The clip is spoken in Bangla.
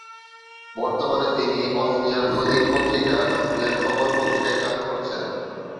বর্তমানে তিনি অসমীয়া দৈনিক পত্রিকা অসমীয়া খবর পত্রিকায় কাজ করছেন।